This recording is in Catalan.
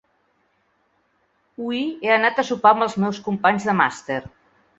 Hui he anat a sopar amb els meus companys de màster.